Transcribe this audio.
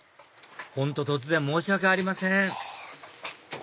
本当突然申し訳ありません